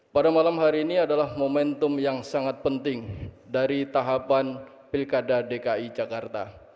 pada malam hari ini adalah momentum yang sangat penting dari tahapan pilkada dki jakarta